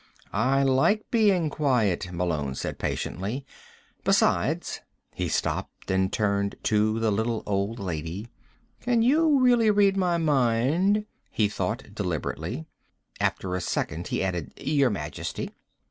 "I like being quiet," Malone said patiently. "Besides " He stopped and turned to the little old lady. Can you really read my mind? he thought deliberately. After a second he added: _... your majesty?